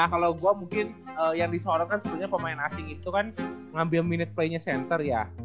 kalau gue mungkin yang disorotkan sebenarnya pemain asing itu kan ngambil minute play nya center ya